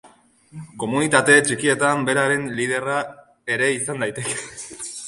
Komunitate txikietan beraren liderra ere izan daiteke.